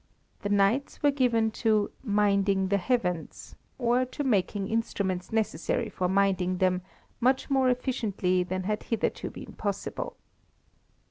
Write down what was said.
The nights were given to "minding the heavens," or to making instruments necessary for minding them much more efficiently than had hitherto been possible.